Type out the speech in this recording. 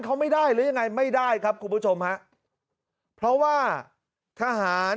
เขาไม่ได้หรือยังไงไม่ได้ครับคุณผู้ชมฮะเพราะว่าทหาร